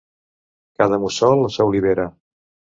Cada mussol a sa olivera.